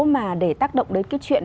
mà để tác động đến cái chuyện